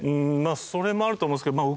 あそれもあると思うんですけどまあ